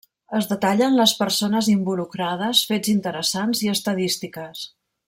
Es detallen les persones involucrades, fets interessants i estadístiques.